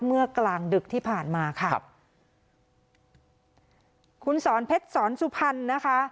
เมื่อกลางดึกที่ผ่านมาค่ะครับคุณสอนเพชรสอนสุพรรณนะคะ